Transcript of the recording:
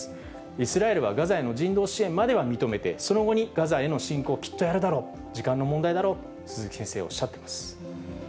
イスラエルはガザへの人道支援までは認めて、その後にガザへの侵攻をきっとやるだろう、時間の問題だろうと鈴木先生はおっしゃっています。